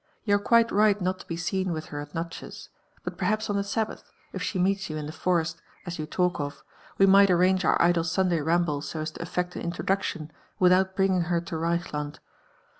You are quite right not to be seen with her at Natchez; but perhaiis on the Sabbath, 'tt she meets you in the forest, as yon talk of, we might arrange our idle Sunday ramble so as to etlect an introduction without bringing her to Keichland.